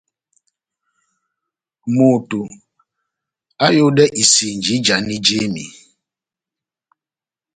Moto aháyodɛ isinji ijanidi jémi.